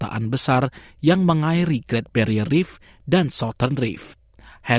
yang benar benar diperlukan di top lima top enam dan top sepuluh